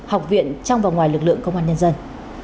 học viện trong và ngoài lực lượng công an nhân dân